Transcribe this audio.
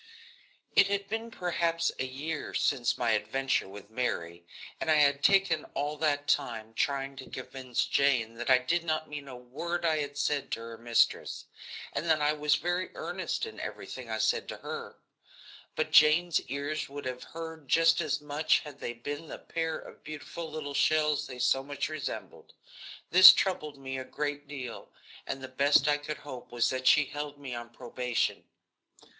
It had been perhaps a year since my adventure with Mary, and I had taken all that time trying to convince Jane that I did not mean a word I had said to her mistress, and that I was very earnest in everything I said to her. But Jane's ears would have heard just as much had they been the pair of beautiful little shells they so much resembled. This troubled me a great deal, and the best I could hope was that she held me on probation.